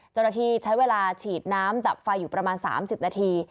เจ้าหน้าที่ใช้เวลาฉีดน้ำดับไฟอยู่ประมาณ๓๐นาที